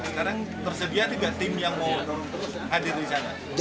sekarang tersedia tiga tim yang mau hadir di sana